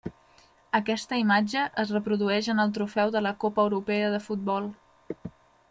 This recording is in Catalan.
Aquesta imatge es reprodueix en el trofeu de la Copa Europea de futbol.